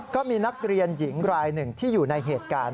ก็มีนักเรียนหญิงรายหนึ่งที่อยู่ในเหตุการณ์